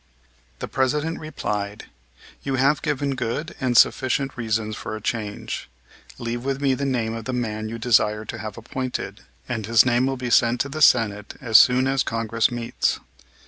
The President replied: "You have given good and sufficient reasons for a change. Leave with me the name of the man you desire to have appointed, and his name will be sent to the Senate as soon as Congress meets."